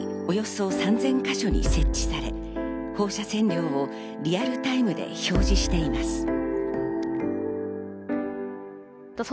およそ３０００か所に設置され、放射線量をリアルタイムで表示しています。